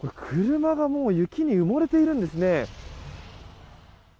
車がもう雪に埋もれているんですね。